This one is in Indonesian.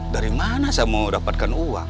dari mana saya mau dapatkan uang